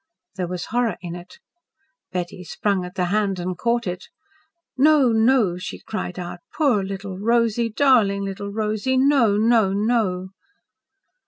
There was horror in it Betty sprang at the hand and caught it. "No! no!" she cried out. "Poor little Rosy! Darling little Rosy! No! no! no!"